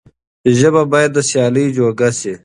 ژبه بايد د سيالۍ جوګه شي.